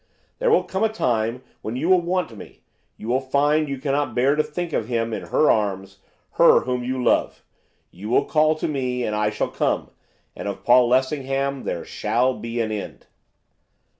There will come a time when you will want me, you will find that you cannot bear to think of him in her arms, her whom you love! You will call to me, and I shall come, and of Paul Lessingham there shall be an end.